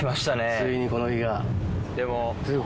ついにこの日が。